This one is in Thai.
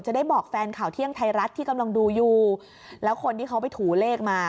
ได้บอกแฟนข่าวเที่ยงไทยรัฐที่กำลังดูอยู่แล้วคนที่เขาไปถูเลขมา